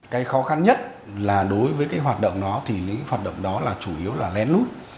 cái khó khăn nhất là đối với cái hoạt động đó thì những hoạt động đó là chủ yếu là lén lút